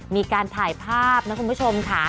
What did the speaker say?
มีการถ่ายภาพนะคุณผู้ชมค่ะ